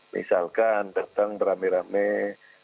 misalkan datang beramai ramai